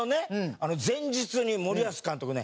前日に森保監督ね